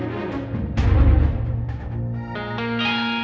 kau mau ngapain